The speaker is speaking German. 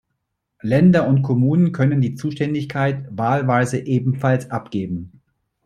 Länder und Kommunen können die Zuständigkeit wahlweise ebenfalls abgeben.